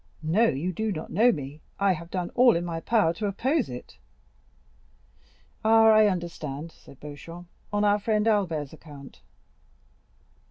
No, you do not know me; I have done all in my power to oppose it." "Ah, I understand," said Beauchamp, "on our friend Albert's account."